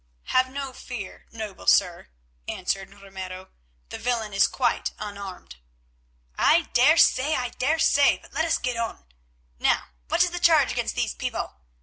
"Have no fear, noble sir," answered Ramiro, "the villain is quite unarmed." "I daresay, I daresay, but let us get on. Now what is the charge against these people?